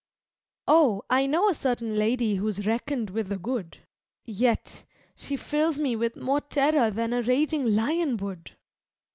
Oh, I know a certain lady who is reckoned with the good, Yet she fills me with more terror than a raging lion would.